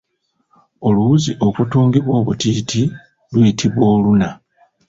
Oluwuzi okutungibwa obutiiti luyitibwa Oluna.